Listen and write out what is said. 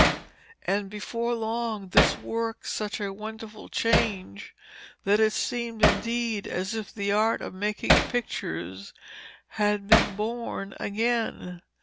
And before long this worked such a wonderful change that it seemed indeed as if the art of making pictures had been born again.